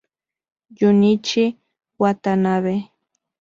Junichi Watanabe